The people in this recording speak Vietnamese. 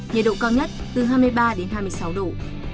nhiệt độ cao nhất từ hai mươi ba đến hai mươi sáu độ